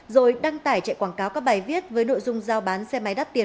rồi đăng tải chạy quảng cáo các bài viết với nội dung giao bán xe máy đắt tiền